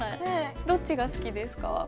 どっちが好きですか？